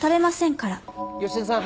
吉田さん